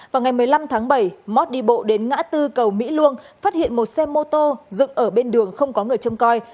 vào ngày một mươi năm tháng bảy mót đi bộ đến ngã tư cầu mỹ luông phát hiện một xe mô tô dựng ở bên đường không có người châm coi